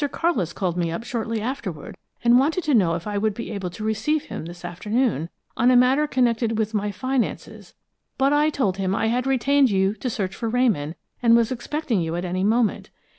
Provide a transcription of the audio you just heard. Carlis called me up shortly afterward, and wanted to know if I would be able to receive him this afternoon, on a matter connected with my finances, but I told him I had retained you to search for Ramon, and was expecting you at any moment.